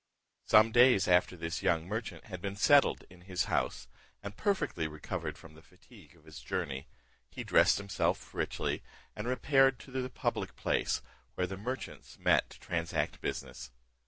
Some days after this young merchant had been settled in his house, and perfectly recovered of the fatigue of his journey, he dressed himself richly, and repaired to the public place, where the merchants met to transact business.